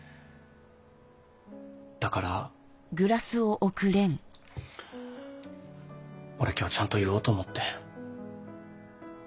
だから俺今日ちゃんと言おうと思って。